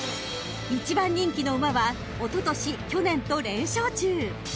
［１番人気の馬はおととし去年と連勝中］